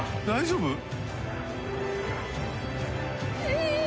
大丈夫？